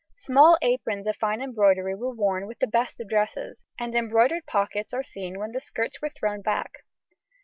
Small aprons of fine embroidery were worn with the best of dresses, and embroidered pockets are seen when the skirts were thrown back.